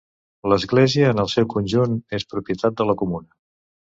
L'església en el seu conjunt és propietat de la comuna.